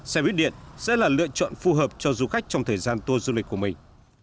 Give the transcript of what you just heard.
xe buýt điện sẽ là lựa chọn phù hợp cho du khách trong thời gian tour du lịch của mình